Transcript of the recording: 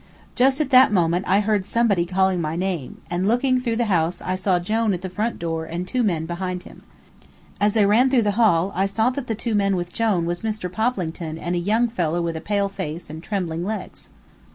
Just at that moment I heard somebody calling my name, and looking through the house I saw Jone at the front door and two men behind him. As I ran through the hall I saw that the two men with Jone was Mr. Poplington and a young fellow with a pale face and trembling legs.